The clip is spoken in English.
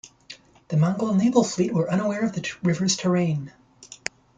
The Mongol naval fleet were unaware of the river's terrain.